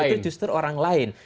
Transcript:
itu justru orang lain